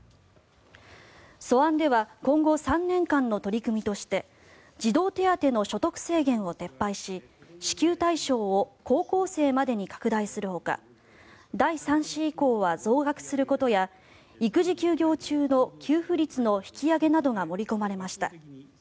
素案では今後３年間の取り組みとして児童手当の所得制限を撤廃し支給対象を高校生までに拡大するほか第３子以降は増額することや育児休業中の給付率の引き上げなどが盛り込まれました。